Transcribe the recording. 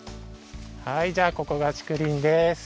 はいじゃあここがちくりんです。